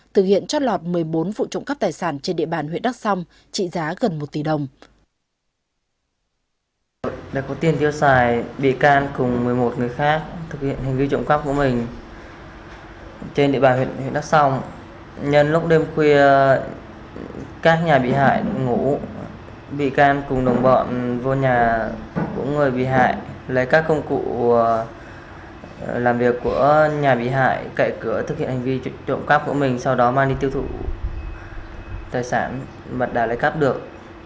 thực hiện trót lọt một mươi bốn vụ trộm cắp tài sản trên địa bàn huyện đắc song trị giá gần một tỷ đồng